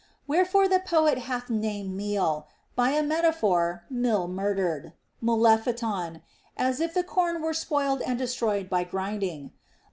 Wherefore the poet hath named meal, by a metaphor, mill milder ed (μνλήφατον), as if the corn were spoiled and destroyed by grinding.